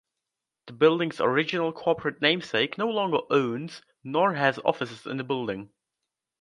The building's original corporate namesake no longer owns nor has offices in the building.